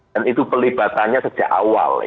dan itu pelibatannya sejak awal